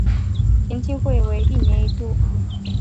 田径运动会为一年一度。